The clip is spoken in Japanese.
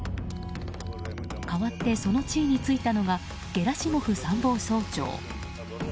代わって、その地位に就いたのがゲラシモフ参謀総長。